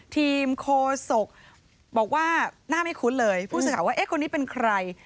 โคศกบอกว่าหน้าไม่คุ้นเลยผู้สื่อข่าวว่าเอ๊ะคนนี้เป็นใคร